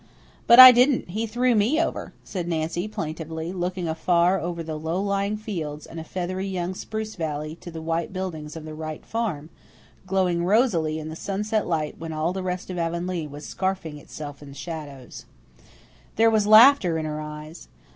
"But I didn't. He threw me over," said Nancy, plaintively, looking afar over the low lying fields and a feathery young spruce valley to the white buildings of the Wright farm, glowing rosily in the sunset light when all the rest of Avonlea was scarfing itself in shadows. There was laughter in her eyes.